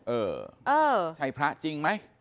เออใช่พระจริงไหม